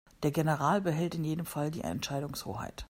Der General behält in jedem Fall die Entscheidungshoheit.